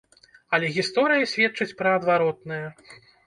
Але гісторыя сведчыць пра адваротнае.